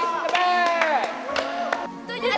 satu dua isi ke back